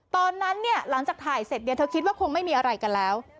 ตอนนั้นเนี่ยหลังจากถ่ายเสร็จเธอคิดว่าคงไม่มีอะไรกันแล้ว